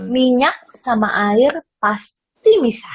minyak sama air pasti bisa